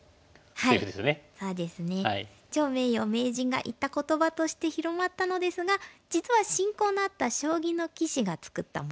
趙名誉名人が言った言葉として広まったのですが実は親交のあった将棋の棋士が作ったものなんですよね。